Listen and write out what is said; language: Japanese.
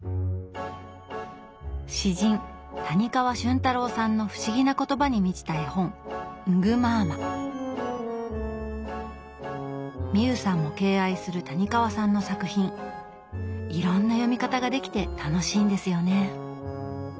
詩人谷川俊太郎さんの不思議な言葉に満ちた絵本美雨さんも敬愛する谷川さんの作品いろんな読み方ができて楽しいんですよね